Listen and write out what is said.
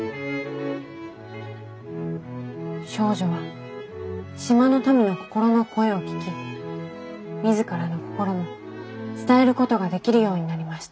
少女は島の民の心の声を聞き自らの心も伝えることができるようになりました。